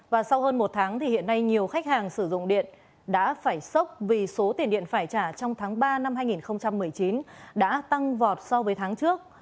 và sau hơn một tháng thì hiện nay nhiều khách hàng sử dụng điện đã phải sốc vì số tiền điện phải trả trong tháng ba năm hai nghìn một mươi chín đã tăng vọt so với tháng trước